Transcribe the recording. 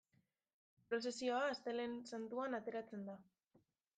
Prozesioa Astelehen Santuan ateratzen da.